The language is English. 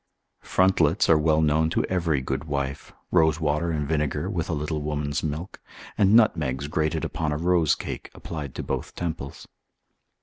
Frontlets are well known to every good wife, rosewater and vinegar, with a little woman's milk, and nutmegs grated upon a rose cake applied to both temples.